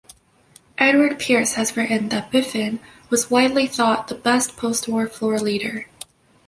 Edward Pearce has written that Biffen "was widely thought the best post-war floor leader".